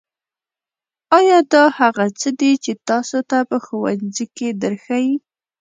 ایا دا هغه څه دي چې تاسو ته په ښوونځي کې درښیي